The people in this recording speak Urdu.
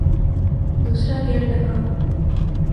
دوسرا گیئر لگاؤ